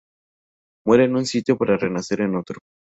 muere en un sitio para renacer en otro